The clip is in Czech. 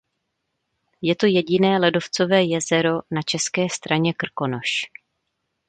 Je to jediné ledovcové jezero na české straně "Krkonoš".